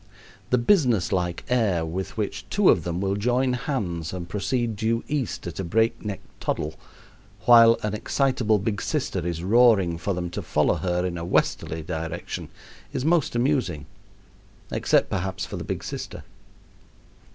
The business like air with which two of them will join hands and proceed due east at a break neck toddle, while an excitable big sister is roaring for them to follow her in a westerly direction, is most amusing except, perhaps, for the big sister.